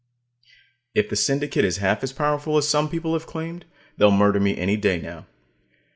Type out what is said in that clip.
_ If the Syndicate is half as powerful as some people have claimed, they'll murder me any day now.